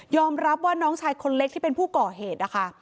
รับว่าน้องชายคนเล็กที่เป็นผู้ก่อเหตุนะคะ